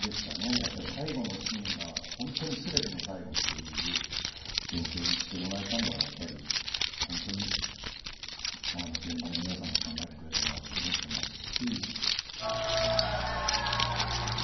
やっぱり最後のシーンが本当に全ての最後っていう状況にしてもらえたのはやっぱり本当に現場の皆さんが考えてくれたなと思ってますし。